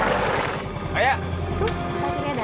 tuh matinya dan